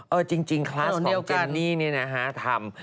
เออจริงคลาสของเจนนี่นี่นะฮะทำ